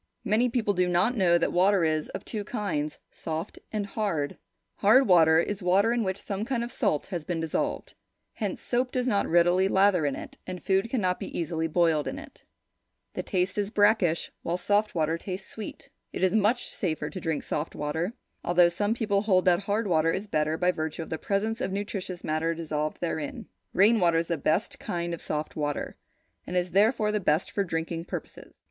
Many people do not know that water is of two kinds, soft and hard. Hard water is water in which some kind of salt has been dissolved. Hence, soap does not readily lather in it, and food cannot be easily boiled in it. Its taste is brackish, while soft water tastes sweet. It is much safer to drink soft water, although some people hold that hard water is better by virtue of the presence of nutritious matter dissolved therein. Rain water is the best kind of soft water, and is therefore, the best for drinking purposes.